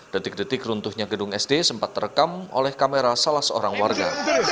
detik detik runtuhnya gedung sd sempat terekam oleh kamera salah seorang warga